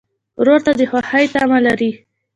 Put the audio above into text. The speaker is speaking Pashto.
ورور ته د خوښۍ تمه لرې.